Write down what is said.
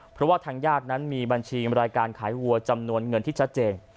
เพราะว่าทางญาตินั้นมีบัญชีรายการขายวัวจำนวนเงินที่ชัดเจน